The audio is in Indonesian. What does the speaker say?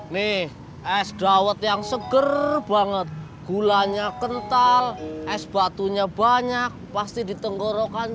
nih es dawet yang seger banget gulanya kental es batunya banyak pasti ditenggorokan